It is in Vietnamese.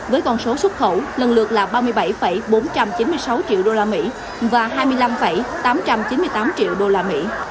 với con số xuất khẩu lần lượt là ba mươi bảy bốn trăm chín mươi sáu triệu đô la mỹ và hai mươi năm tám trăm chín mươi tám triệu đô la mỹ